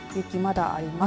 雪、まだあります。